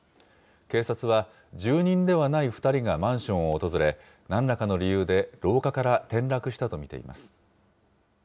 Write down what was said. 警察は、住人ではない２人がマンションを訪れ、なんらかの理由で廊下から転落したと見ています。